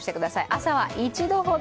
朝は１度ほど。